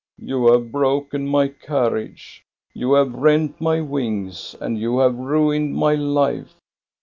" You have broken my carriage, you have rent my wings, and you have ruined my life.